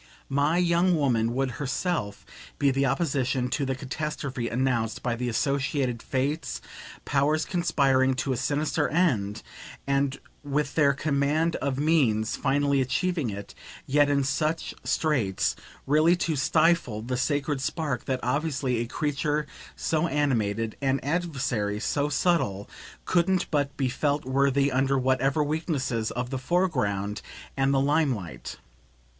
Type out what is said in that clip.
My young woman would HERSELF be the opposition to the catastrophe announced by the associated Fates, powers conspiring to a sinister end and, with their command of means, finally achieving it, yet in such straits really to STIFLE the sacred spark that, obviously, a creature so animated, an adversary so subtle, couldn't but be felt worthy, under whatever weaknesses, of the foreground and the limelight.